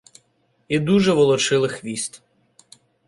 І дуже волочили хвіст.